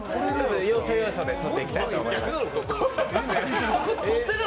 要所要所で撮っていきたいと思います。